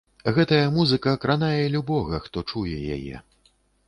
Гэтая музыка кранае любога, хто чуе яе.